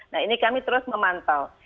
nah ini kami terus memantau